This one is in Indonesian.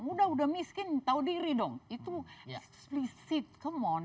udah udah miskin tau diri dong itu explicit come on